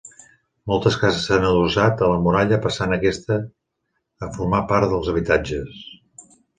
Moltes cases s'han adossat a la muralla passant aquesta a formar part dels habitatges.